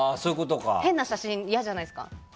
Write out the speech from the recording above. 変な写真は嫌じゃないですか。